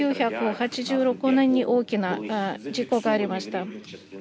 １９８６年に大きな事故がありました。